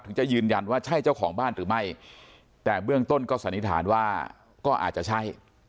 จะยืนยันว่าใช่เจ้าของบ้านหรือไม่แต่เบื้องต้นก็สันนิษฐานว่าก็อาจจะใช่